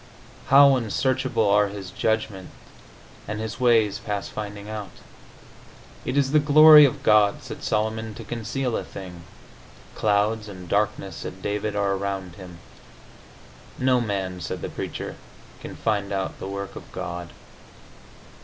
"How unsearchable are his judgments, and his ways past finding out!" "It is the glory of God," said Solomon, "to conceal a thing." "Clouds and darkness," said David, "are around him." "No man," said the Preacher, "can find out the work of God."